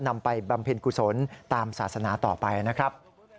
ไปบำเพ็ญกุศลตามศาสนาต่อไปนะครับ